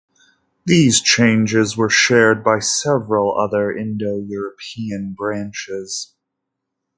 These changes were shared by several other Indo-European branches.